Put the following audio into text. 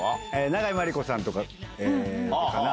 永井真理子さんとかかな。